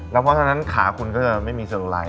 แล้วเพราะฉะนั้นขาคุณซักวันไม่มีสดงลัย